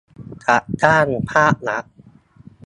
จัดจ้างภาครัฐ